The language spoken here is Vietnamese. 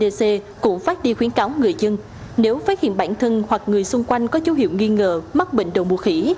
trung tâm kiểm soát bệnh tật tp hcm cũng phát đi khuyến cáo người dân nếu phát hiện bản thân hoặc người xung quanh có dấu hiệu nghi ngờ mắc bệnh đầu mũ khỉ